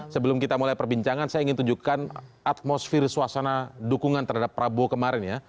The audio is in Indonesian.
sebelum kita mulai perbincangan saya ingin tunjukkan atmosfer suasana dukungan terhadap prabowo kemarin ya